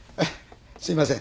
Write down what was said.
すみません。